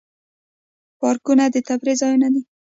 پارکونه د تفریح ځایونه دي